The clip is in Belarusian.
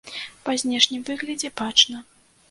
Па знешнім выглядзе бачна.